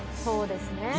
そうですね。